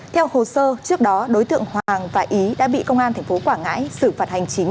theo hồ sơ trước đó đối tượng hoàng và ý đã bị công an tp quảng ngãi xử phạt hành chính